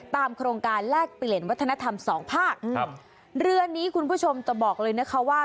โครงการแลกเปลี่ยนวัฒนธรรมสองภาคครับเรือนี้คุณผู้ชมจะบอกเลยนะคะว่า